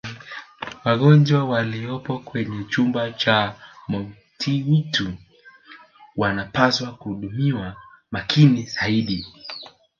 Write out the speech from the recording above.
wagonjwa waliyopo kwenye chumba cha mautiuti wanapaswa kuhudumiwa makini zaidi